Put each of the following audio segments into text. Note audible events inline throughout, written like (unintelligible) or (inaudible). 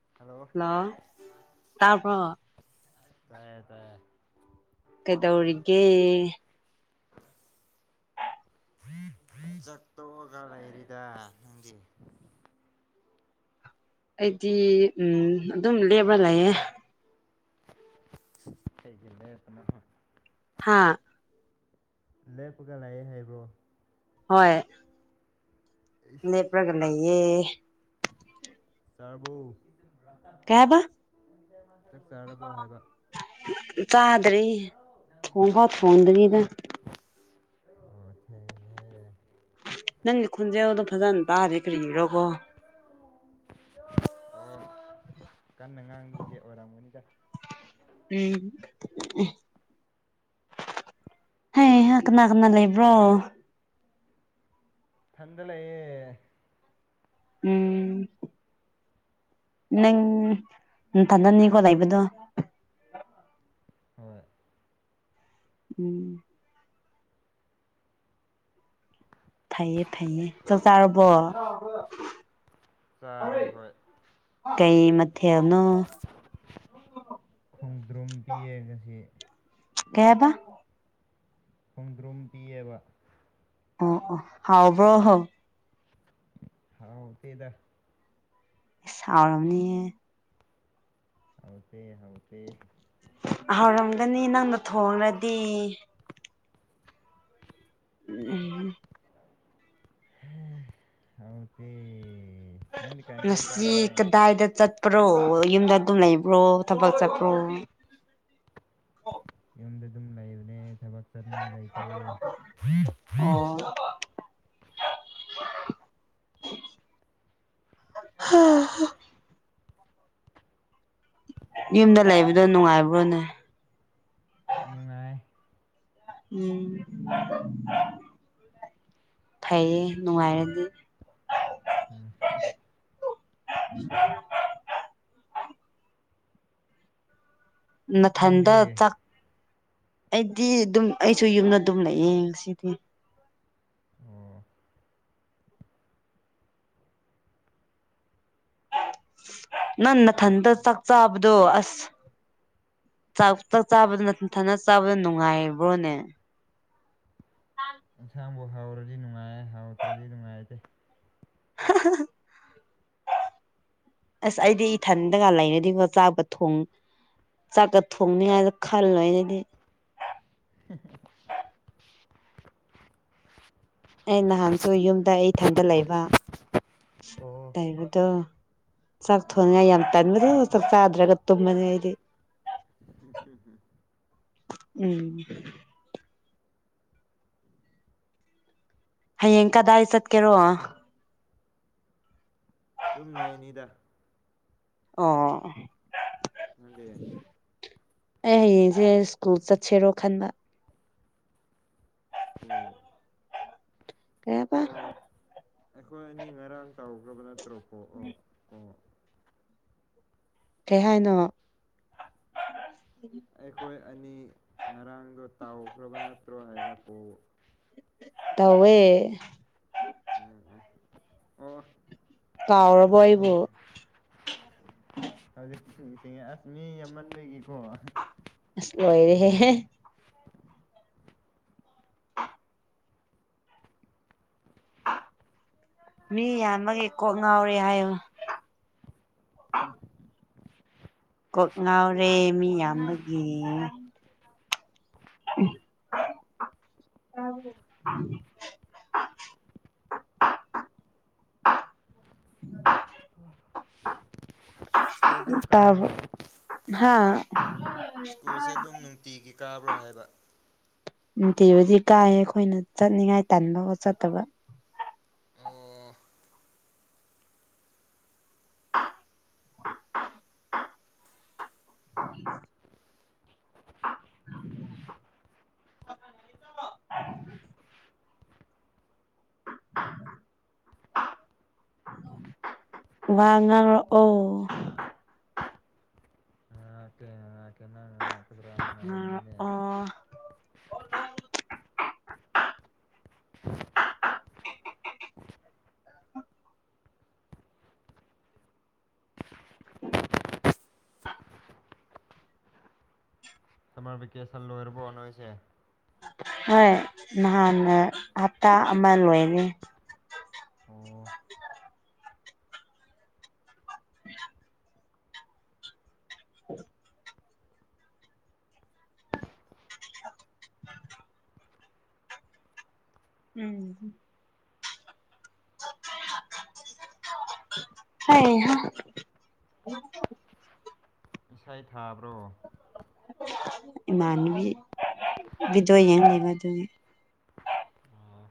ꯑꯣ ꯍꯂꯣ ꯇꯥꯄꯣ ꯇꯥꯏꯌꯦ ꯇꯥꯏꯦ ꯀꯩꯗꯧꯔꯤꯒꯦ ꯆꯠꯇꯣꯛꯑꯒ ꯂꯩꯔꯤꯗ ꯅꯪꯒꯤ ꯑꯩꯗꯤ ꯎꯝ ꯑꯗꯨꯝ ꯂꯦꯕ ꯂꯩꯌꯦꯦ ꯀꯂꯦ ꯁꯅꯥ ꯍꯥꯥ ꯂꯦꯞꯄꯒ ꯂꯥꯛꯑꯦ ꯍꯥꯏꯕ꯭ꯔꯣ ꯍꯣꯏ ꯂꯩꯦ ꯄ꯭ꯔꯒ ꯂꯌꯦꯦ ꯆꯥꯕꯨ ꯀꯦꯕ ꯇꯥꯔꯕꯣ ꯍꯥꯏꯕ ꯆꯥꯗꯔꯔꯤ ꯍ ꯍ ꯐꯣꯟꯗꯒꯤꯗ ꯑ ꯅꯪꯒꯤ ꯈꯨꯟꯁꯦ ꯑꯗꯨꯝ ꯐꯖꯅ ꯇꯥꯔꯦ ꯀꯔꯤꯔꯣꯀꯣ ꯑꯣ ꯀꯟꯅ ꯉꯥꯡꯗ꯭ꯗꯤꯦ ꯑꯣꯏꯔꯝꯒꯅꯤꯗ ꯎꯝ ꯍ ꯀꯅꯥ ꯀꯅꯥ ꯂꯩꯕ꯭ꯔꯣ ꯐꯗ ꯂꯩꯑꯦ ꯎꯝ ꯅꯪ ꯊꯥꯗꯅꯤꯀꯣ ꯂꯩꯥꯛꯕꯗꯣ ꯍꯣꯏ ꯎꯝ ꯐꯩꯌꯦ ꯐꯩꯌꯦ ꯆ ꯇꯥꯔꯕꯣ ꯆꯔꯦ ꯍꯣꯏ ꯀꯩ ꯃꯊꯦꯜꯅꯣ ꯈꯣꯡꯗ꯭ꯔꯨꯝ ꯄꯤꯔ ꯉꯁꯤ ꯀꯦꯕ ꯈꯣꯡꯗ꯭ꯔꯨꯝ ꯄꯤꯌꯦꯕ ꯑꯣ ꯑꯣ ꯍꯥꯎꯕ꯭ꯔꯣ ꯍꯣ ꯍꯥꯎ ꯇꯗ ꯑꯩ ꯁꯥꯎꯔꯕꯅꯦꯌꯦ ꯍꯧꯛꯇ ꯍꯧꯛꯇꯦ ꯍꯧꯥꯎꯔꯝꯒꯅꯤ ꯅꯪꯅ ꯊꯣꯡꯂꯗꯤ ꯎꯝ ꯍꯧꯗꯤ ꯉꯁꯤ ꯀꯗꯥꯏꯗ ꯆꯠ ꯄ꯭ꯔꯣ ꯌꯨꯝꯗ ꯑꯗꯨꯝ ꯂꯩꯕ꯭ꯔꯣ ꯊꯕꯛ ꯆꯠꯄ꯭ꯔꯣ ꯌꯨꯝꯗ ꯗꯨꯝ ꯂꯩꯕꯅꯦ ꯊꯕꯛ ꯆꯠꯅꯤꯡꯉꯥꯏ ꯂꯩꯇꯦ (unintelligible) ꯑꯣ ꯍꯥ ꯍꯥ ꯌꯨꯝꯗ ꯂꯩꯕꯗꯣ ꯅꯨꯡꯉꯥꯏꯕ꯭ꯔꯣꯅꯦ ꯅꯨꯡꯉꯥꯏ ꯎꯝ (unintelligible) ꯐꯩꯌꯦ ꯅꯨꯡꯉꯥꯏꯔꯗꯤ ꯎꯝ (unintelligible) ꯅꯊꯟꯗ ꯅꯪꯗꯤ ꯆꯥꯛ ꯑꯩꯗꯤ ꯗꯨꯝ ꯑꯩꯁꯨ ꯌꯨꯝꯗ ꯗꯨꯝ ꯂꯩꯌꯦ ꯉꯁꯤꯗꯤ ꯑꯣ ꯅꯪ ꯅꯊꯟꯇ ꯆꯥꯛ ꯆꯥꯕꯗꯣ ꯑꯁ ꯆꯥꯛ ꯆꯛ ꯆꯥꯕ ꯅꯊꯟꯇ ꯆꯥꯕ ꯅꯨꯡꯉꯥꯏꯕ꯭ꯔꯣꯅꯦ ꯏꯟꯁꯥꯡꯕꯨ ꯍꯥꯎꯔꯗꯤ ꯅꯨꯡꯉꯥꯏꯌꯦ ꯍꯥꯎꯇꯔ꯭ꯥ ꯗꯤ ꯅꯨꯡꯉꯥꯏꯇꯦ (unintelligible) ꯑꯁ ꯑꯩꯗꯤ ꯏꯊꯟꯗꯒ ꯂꯩꯔꯗꯤꯀꯣ ꯆꯥꯛꯀ ꯊꯣꯡ ꯆꯥꯛꯀꯠ ꯊꯣꯡꯅꯤꯉꯥꯏꯒ ꯈꯜꯂꯣꯏ ꯑꯩꯗꯤ (inaudible) ꯑꯩ ꯅꯍꯥꯟꯁꯨ ꯌꯨꯝꯗ ꯑꯩ ꯏꯊꯟꯇ ꯂꯩꯕ ꯑꯣ ꯂꯩꯕꯗꯣ ꯆꯥꯛ ꯊꯣꯡꯅꯤꯡꯉꯥꯏ ꯌꯥꯝ ꯇꯟꯕꯗꯨ ꯆꯥꯛ ꯆꯥꯗ꯭ꯔꯒ ꯇꯨꯝꯕꯅꯦ ꯑꯩꯗꯤ ꯎꯝ ꯍꯌꯦꯡ ꯀꯗꯥꯏ ꯆꯠꯀꯦꯔꯣ ꯗꯨꯝ ꯂꯩꯅꯤꯗ ꯑꯣ (unintelligible) ꯑꯩ ꯍꯌꯦꯡꯁꯦ ꯁ꯭ꯀꯨꯜ ꯆꯠꯁꯦꯔꯣ ꯈꯟꯕ ꯎꯝ ꯀꯩ ꯍꯥꯏꯕ ꯑꯩꯈꯣꯏ ꯑꯅꯤ ꯉꯔꯥꯡ ꯇꯧꯈꯔ꯭ꯥ ꯕ ꯅꯠꯇ꯭ꯔꯣꯀꯣ ꯑꯣ ꯑꯣ ꯀꯩ ꯍꯥꯏꯅꯣ ꯑꯩꯈꯣꯏ ꯑꯅꯤ ꯉꯔꯥꯡꯗꯣ ꯇꯥꯎꯈ꯭ꯔꯕ ꯅꯠꯇ꯭ꯔꯣ ꯍꯥꯏꯕ ꯀꯣ ꯇꯧꯋꯦ ꯎꯝ ꯎꯝ ꯑꯣ ꯑꯥ ꯀꯥꯎꯔꯕꯣ ꯑꯩꯕꯨ ꯈꯪꯉꯦ ꯁꯤꯡꯁꯤꯡꯉꯦ ꯑꯁ ꯃꯤ ꯑꯃꯅꯤꯒꯤꯀꯣ ꯑꯁ ꯂꯣꯏꯔꯦꯍꯦ ꯍꯦ ꯃꯤ ꯌꯥꯝꯕꯒꯤ ꯀꯣꯛ ꯉꯥꯎꯔꯦ ꯍꯥꯏꯌꯦ (inaudible) ꯀꯣꯛ ꯉꯥꯎꯔꯦ ꯃꯤ ꯌꯥꯝꯕꯒꯤ (unintelligible) (unintelligible) ꯁ꯭ꯀꯨꯜ ꯑꯗꯨꯝ ꯀꯥꯕ꯭ꯔꯣ ꯇꯕꯔꯣ ꯍꯥꯥ ꯁ꯭ꯀꯨꯜꯁꯦ ꯑꯗꯨꯝ ꯅꯨꯡꯇꯤꯒꯤ ꯀꯥꯕ꯭ꯔꯣ ꯍꯥꯏꯕ (unintelligible) ꯅꯨꯡꯇꯤꯕꯨꯗꯤ ꯀꯥꯏꯌꯦ ꯑꯩꯈꯣꯏꯅ ꯆꯠꯅꯤꯉꯥꯏ ꯇꯟꯕ ꯆꯠꯇꯕ ꯑꯣ (unintelligible) (unintelligible) (unintelligible) (inaudible) (unintelligible) ꯋꯥ ꯉꯥꯡꯔꯛ ꯑꯣ ꯉꯥꯏꯍꯥꯛꯀꯦ ꯉꯥꯏꯍꯥꯛꯀꯦ ꯅꯪ ꯉꯥꯏꯍꯥꯛꯀꯗ꯭ꯔꯥꯅ ꯉꯥꯏꯕꯅꯤꯅꯦ ꯑ ꯑ ꯁꯔ ꯚꯦꯀꯦꯁꯟ ꯂꯣꯏꯔꯕꯣꯅꯁꯦ ꯍꯣꯏ ꯅꯍꯥꯟꯅ ꯍꯞꯇꯥ ꯑꯃ ꯂꯣꯏꯅꯤ ꯑꯣ (unintelligible) ꯎ ꯍ (unintelligible) ꯎꯝ ꯈꯔ ꯍ ꯁꯥꯏꯗ ꯏꯃꯥꯟꯅꯕꯤ ꯕꯤꯗꯣꯏ ꯌꯦꯡꯅꯦꯕ ꯑꯗꯨꯅꯤ ꯑꯣ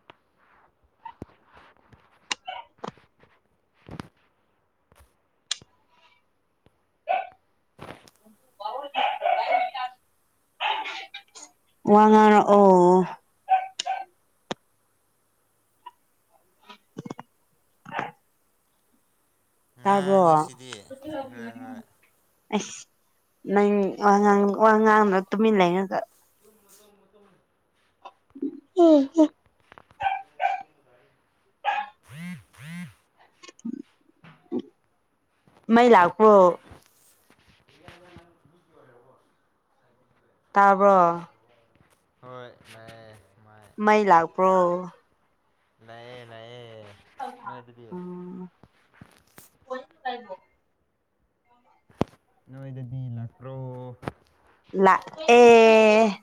ꯆ ꯋꯥ ꯉꯥꯡꯔ ꯑꯣ ꯇꯥꯔꯕ꯭ꯔꯣ ꯑ ꯉꯥꯡꯉꯤꯁꯤꯗꯤ ꯍꯣꯏ ꯍꯣꯏ ꯅꯪ ꯋꯥꯉꯥꯡ ꯋꯥ ꯉꯥꯡꯅ ꯇꯨꯃꯤꯟꯅ ꯂꯩꯉꯒ ꯎꯝ ꯃꯩ ꯂ ꯀ ꯇꯥꯔꯕ ꯍꯣꯏ ꯂꯥꯛꯑꯦ ꯃꯥꯏ ꯂꯥꯛꯄ꯭ꯔꯣ ꯂꯥꯛꯑꯦ ꯂꯥꯛꯑꯦ ꯅꯣꯏꯗꯗꯤ ꯎꯝ ꯅꯣꯏꯗꯗꯤ ꯂꯥꯛꯄ꯭ꯔꯣ ꯂꯥꯛ ꯑꯦ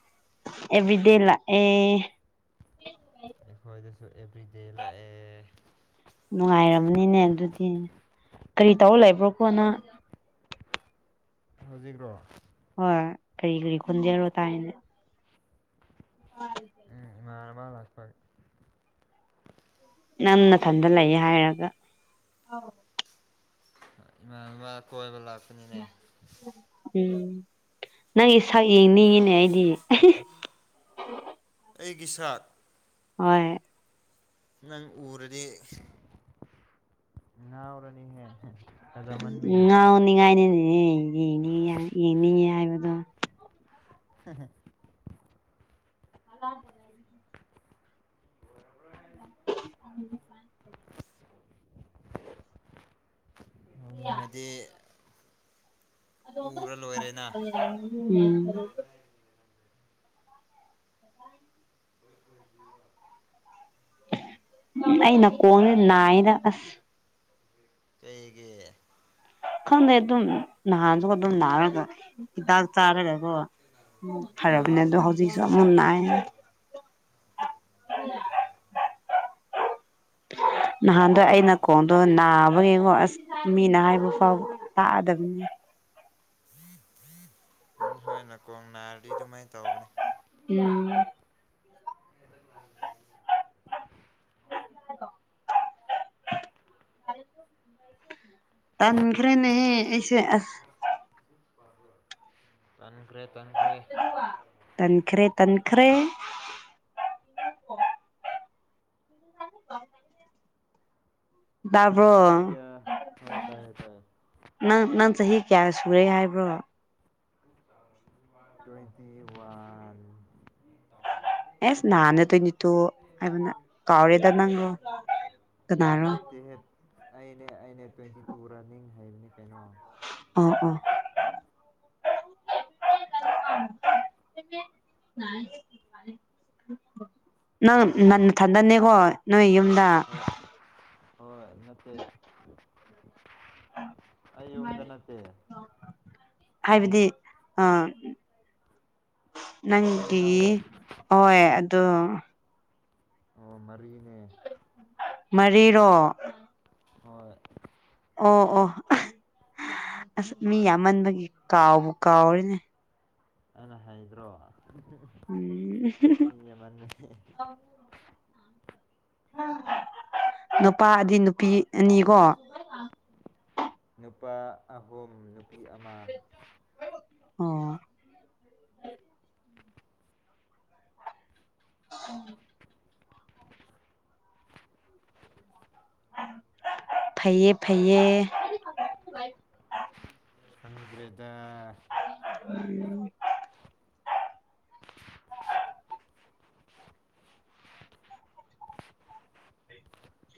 ꯑꯦꯕꯤꯗꯤ ꯂꯥꯛ ꯑꯦ ꯎ ꯑꯦꯕꯔꯤ ꯗꯦꯂ ꯅꯨꯡꯉꯥꯏꯔꯝꯅꯤꯅꯦ ꯑꯗꯨꯗꯤ ꯀꯔꯤ ꯇꯧꯔ ꯂꯩꯕ꯭ꯔꯣꯀꯣꯅ ꯍꯧꯖꯤꯛ꯭ꯔꯣ ꯍꯣꯏ ꯀꯔꯤ ꯀꯔꯤ ꯈꯟꯖꯔꯣ ꯇꯥꯏꯅꯦ ꯑ ꯎꯝ ꯏꯃꯥꯟꯅꯕ ꯂꯥꯛꯄ ꯅꯪ ꯃꯊꯟꯗ ꯂꯩ ꯍꯥꯏꯔꯒ ꯃꯥ ꯀꯣꯏꯕ ꯂꯥꯛꯄꯅꯤꯅꯦ ꯎꯝ ꯅꯪꯒꯤ ꯁꯛ ꯌꯦꯡꯅꯤꯡꯉꯤꯅꯦ ꯑꯩꯗꯤ ꯑꯩꯒꯤ ꯁꯥꯠ ꯍꯣꯏ ꯅꯪ ꯎꯔꯗꯤ ꯉ ꯑꯣꯔꯅꯤ ꯍꯦ ꯉꯥꯎꯅꯤꯡꯉꯥꯏꯅꯤꯅꯦ ꯏꯅꯤ ꯏꯡꯅꯤꯉ ꯍꯥꯏꯕꯗꯣ ꯍꯝ ꯑꯂꯥꯏꯔꯤ (unintelligible) ꯅꯣꯡꯅꯤꯡꯉꯗꯤ ꯑ ꯎꯔ ꯂꯣꯏꯔꯦꯅ ꯎꯝ ꯑꯥꯏ ꯑꯩ ꯅꯥꯀꯣꯡꯁꯦ ꯅꯥꯏꯅ ꯑꯁ ꯀꯩꯒꯤ ꯈꯪꯗꯦ ꯑꯗꯨꯝ ꯅꯍꯥꯟꯁꯨ ꯑꯗꯨꯝ ꯅꯥꯔꯒ ꯍꯤꯗꯥꯛ ꯆꯥꯔꯒꯒ ꯎ ꯊꯔ ꯑꯥ ꯄꯅꯦꯗꯣ ꯍꯖꯤꯁꯨ ꯃꯨ ꯅꯥꯏ (unintelligible) ꯍ ꯅꯍꯥꯟꯗꯣ ꯑꯩꯅ ꯈꯣꯡꯗꯣ ꯅꯥꯕꯅꯦꯀꯣ ꯑꯁ ꯃꯤꯅ ꯍꯥꯏꯕ ꯐꯥꯎ ꯇꯥꯛꯑꯗꯕꯅꯤ ꯎꯝ ꯍꯣꯏꯅꯀꯣꯡ ꯅꯥꯔꯗꯤ ꯑꯗꯨꯃꯥꯏꯅ ꯇꯧꯕꯅꯦ ꯎꯝ ꯣ (inaudible) ꯇꯥꯟꯈ꯭ꯔꯦꯅꯦꯁꯦ ꯇꯟꯈ꯭ꯔꯦ ꯇꯟꯈ꯭ꯔꯦ ꯇꯟꯈ꯭ꯔꯦ ꯇꯟꯈ꯭ꯔꯦ (inaudible) ꯌꯦ ꯇꯥꯕ꯭ꯔꯣ ꯀ ꯍꯥꯏ ꯇꯥꯏ ꯇꯥꯏꯌꯦ ꯅꯪ ꯅꯪ ꯆꯍꯤ ꯀꯌꯥ ꯁꯨꯔꯦ ꯍꯥꯏꯕ꯭ꯔꯣ ꯇ꯭ꯋꯦꯟꯇꯤ ꯋꯥꯟ ꯑꯦꯁ ꯅꯅꯥꯅ ꯇꯅꯤꯠꯇꯣ ꯍꯥꯏꯕꯅ ꯀꯥꯎꯔꯤꯦꯗ ꯅꯒꯣ ꯀꯅꯥꯔꯣ ꯅꯠꯇꯦꯍꯦ ꯑꯩꯅꯦ ꯑꯅꯦ ꯇ꯭ꯋꯦꯟꯇꯤ ꯇꯨ ꯔꯅꯤꯡ ꯍꯥꯏꯩꯕꯅꯤ ꯀꯩꯅꯣ ꯎ ꯎꯝ (unintelligible) (inaudible) ꯅꯪꯗꯤ ꯅꯪ ꯊꯟꯗꯅꯦꯀꯣ ꯅꯣꯏ ꯌꯨꯝ ꯍꯣꯏ ꯍꯣꯏ ꯅꯠꯇꯦ ꯑꯩ ꯌꯝꯗ ꯅꯠꯇꯦ ꯍꯥꯏꯕꯗꯤ ꯑ ꯏꯆꯤꯟ ꯅꯪꯗꯤ ꯏꯅꯥꯎꯔꯣ ꯍꯣꯏ ꯑꯗꯣ ꯑꯣ ꯃꯔꯤꯅꯦ ꯃꯔꯤꯔꯣ ꯍꯣꯏ ꯑꯣ ꯑꯣ ꯑꯁ ꯃꯤ ꯌꯥꯝꯃꯟꯕꯒꯤ ꯀꯥꯎꯕ ꯀꯥꯎꯔꯤꯅꯦ ꯑꯅ ꯍꯥꯏꯗ꯭ꯔꯣ ꯎꯝ ꯃꯤ ꯑꯃꯅꯦ ꯅꯨꯄꯥ ꯑꯗꯤ ꯅꯨꯄꯤ ꯑꯅꯤꯀꯣ ꯅꯨꯄꯥ ꯑꯍꯨꯝ ꯅꯨꯄꯤ ꯑꯃ ꯑꯣ ꯎꯝ ꯐꯩꯌꯦ ꯐꯩꯌꯦ ꯑ ꯀꯔꯤꯦꯗ ꯎꯝ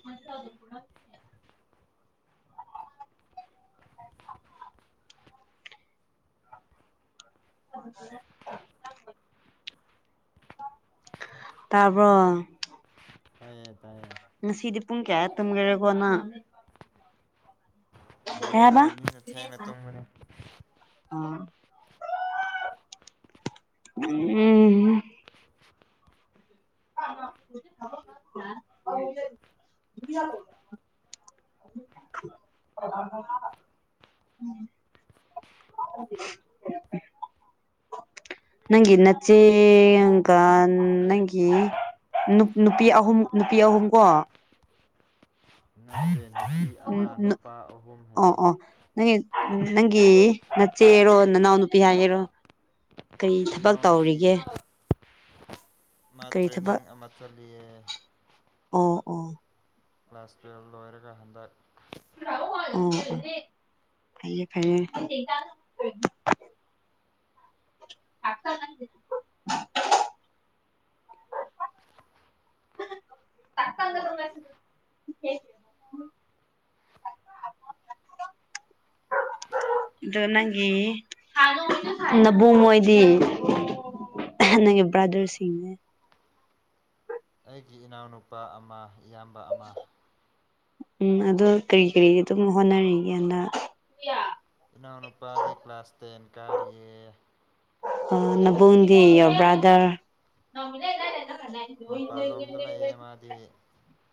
ꯃ ꯀ (unintelligible) (inaudible) ꯇꯔꯕ ꯇꯥꯏꯌꯦ ꯇꯥꯏꯌꯦꯦ ꯉꯁꯤꯗꯤ ꯄꯨꯡ ꯀꯌꯥ ꯇꯨꯝꯈꯦꯔꯦꯀꯣꯅꯪ ꯕꯣꯜ ꯑꯩ ꯃꯤꯅ ꯊꯦꯡꯅ ꯇꯨꯝꯕꯅꯤ ꯎꯝ (unintelligible) (unintelligible) (inaudible) ꯎꯝ ꯑꯗꯨ ꯅꯪꯤ ꯅꯆꯦꯀ ꯅꯪꯤ ꯅꯨꯄꯤ ꯑꯍꯨꯝ ꯅꯨꯄꯤ ꯑꯍꯨꯝ ꯀꯣ ꯅꯠꯇꯦ ꯅꯨꯄꯤ ꯎ ꯑꯃ ꯅꯨꯄꯥ ꯑꯍꯨꯝ ꯑꯣ ꯍꯥꯏꯕꯅꯤ ꯑꯣ ꯅ ꯅꯪꯒꯤ ꯅꯆꯦꯔꯣ ꯅꯅꯥꯎ ꯅꯨꯄꯤ ꯍꯥꯏ ꯌꯦꯔꯣ ꯀꯔꯤ ꯊꯕꯛ ꯇꯧꯔꯤꯒꯦ ꯏꯅꯥꯎꯅꯨꯄꯤ ꯃꯥ ꯀꯔꯤ ꯇ꯭ꯔꯦꯅꯤꯡ ꯊꯕꯛ ꯑꯃ ꯆꯠꯂꯤꯑ ꯑꯣ ꯑꯣ ꯀ꯭ꯂ꯭ꯂꯥꯁ꯭ꯋꯦꯜ ꯂꯣꯏꯔꯒ ꯍꯟꯗ (unintelligible) ꯍꯥꯏꯩꯌꯦ ꯈꯩꯌꯦ ꯑꯗ ꯇꯀꯗꯉꯥꯏ (inaudible) ꯑ ꯅꯪꯒꯤ ꯅꯕꯨꯡꯉꯣꯏꯗꯤ ꯅꯒꯤ ꯭ꯔꯗꯔꯁꯤꯅꯦ ꯑꯩꯒꯤ ꯏꯅꯥꯎꯅꯨꯄꯥ ꯑꯃ ꯏꯌꯥꯝꯕ ꯑꯃ ꯎꯝ ꯑꯗ ꯀꯔꯤ ꯀꯔꯤ ꯑꯗꯨꯝ ꯍꯣꯠꯅꯔꯤꯒꯦꯅ ꯅꯅꯥꯎꯅ ꯅꯨꯄꯥꯖꯤ ꯀ꯭ꯂꯥꯁ ꯇꯦꯟꯦꯟ ꯀꯥꯔꯤꯔꯤꯌꯦ ꯑ ꯅꯕꯨꯗꯤ ꯌꯣ ꯕ꯭ꯔꯥꯗꯔ ꯃꯄꯥꯟꯂꯣꯝꯗ ꯂꯩꯌꯦ ꯃꯥꯗꯤ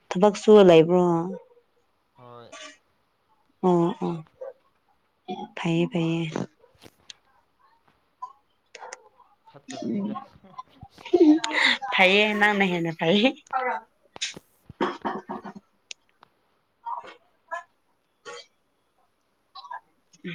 ꯊꯕꯛ ꯁꯨꯂ ꯏꯕ꯭ꯔꯣ ꯍꯣꯏ ꯑꯣ ꯑꯣ ꯐꯌꯦ ꯐꯩꯌꯦ ꯐꯠꯇꯕꯅꯤꯗ ꯎ ꯐꯥꯏꯌꯦꯌꯦ ꯅꯅꯍꯦꯅ ꯐꯥꯏꯌꯦꯦ ꯑ (inaudible) ꯎꯝ